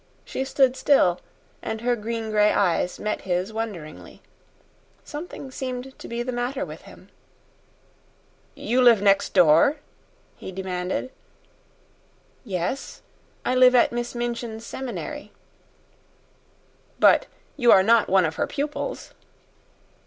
She stood still, and her green gray eyes met his wonderingly. Something seemed to be the matter with him. "You live next door?" he demanded. "Yes; I live at Miss Minchin's seminary." "But you are not one of her pupils?"